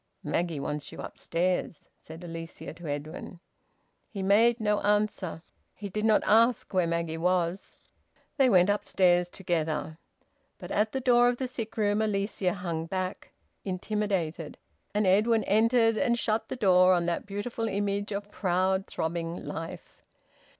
"Maggie wants you upstairs," said Alicia to Edwin. He made no answer. He did not ask where Maggie was. They went upstairs together. But at the door of the sick room Alicia hung back, intimidated, and Edwin entered and shut the door on that beautiful image of proud, throbbing life.